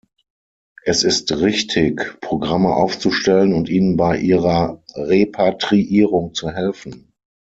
Es ist richtig, Programme aufzustellen und ihnen bei ihrer Repatriierung zu helfen.